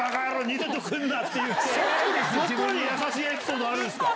どこに優しいエピソードあるんすか！